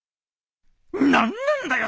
何なんだよ